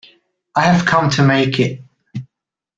I have come to make it.